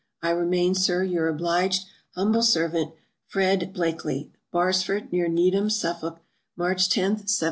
I remain, Sir, your obliged humble servant, FRED. BLAKELEY. Barsford, near Needham, Suffolk, March 10, 1793.